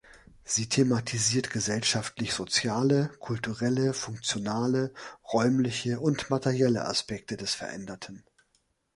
Sie thematisiert gesellschaftlich-soziale, kulturelle, funktionale, räumliche und materielle Aspekte des Veränderten.